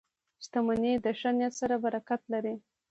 • شتمني د ښه نیت سره برکت لري.